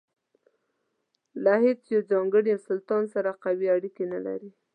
له هیڅ یوه ځانګړي سلطان سره قوي اړیکې نه لرلې.